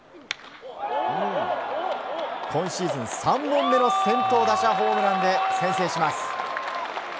今シーズン３本目の先頭打者ホームランで先制します。